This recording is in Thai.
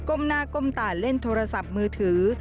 หน้าก้มตาเล่นโทรศัพท์มือถือ